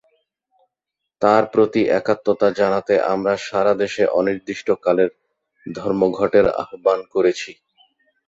তাঁর প্রতি একাত্মতা জানাতে আমরা সারা দেশে অনির্দিষ্টকালের ধর্মঘটের আহ্বান করেছি।